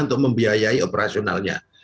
untuk membiayai operasionalnya